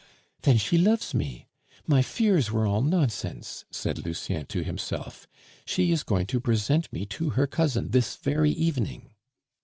"Then she loves me! my fears were all nonsense!" said Lucien to himself. "She is going to present me to her cousin this very evening."